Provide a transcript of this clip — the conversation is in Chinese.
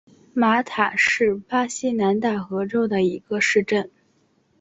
马塔是巴西南大河州的一个市镇。